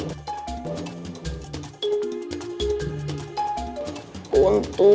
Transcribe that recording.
belajar lebih giat atau